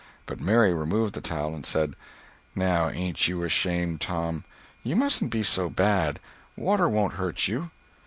But Mary removed the towel and said: "Now ain't you ashamed, Tom. You mustn't be so bad. Water won't hurt you."